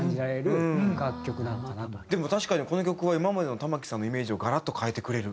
でも確かにこの曲は今までの玉置さんのイメージをガラッと変えてくれる。